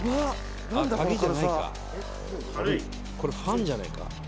これファンじゃねえか？